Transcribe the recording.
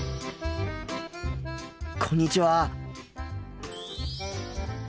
こんにちは。